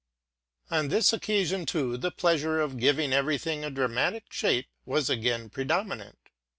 On this occasion, too, the pleas ure of giving every thing a dramatic shape was again pre dominant.